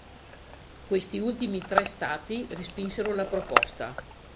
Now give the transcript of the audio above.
Questi ultimi tre stati respinsero la proposta.